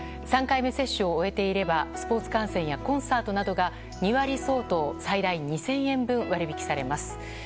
３回接種を追えていればスポーツ観戦やコンサートなどが２万円相当最大２０００円分が割引されます。